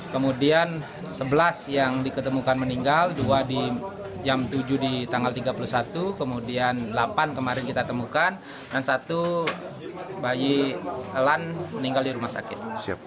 kemudian sebelas yang diketemukan meninggal dua di jam tujuh di tanggal tiga puluh satu kemudian delapan kemarin kita temukan dan satu bayi elan meninggal di rumah sakit